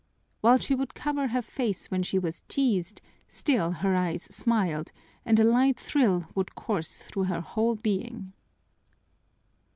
While she would cover her face when she was teased, still her eyes smiled, and a light thrill would course through her whole being.